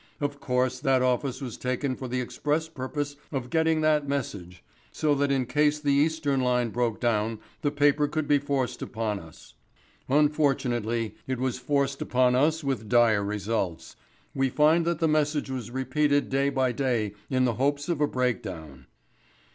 Of course that office was taken for the express purpose of getting that message, so that in case the Eastern line broke down the paper could be forced upon us. Unfortunately it was forced upon us with dire results. We find that the message was repeated day by day in the hopes of a breakdown.